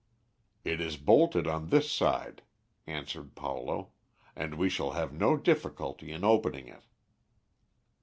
"It is bolted on this side," answered Paulo, "and we shall have no difficulty in opening it."